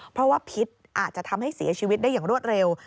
เพราะว่าพิษอาจจะทำให้เสียชีวิตได้อย่างรวดเร็ว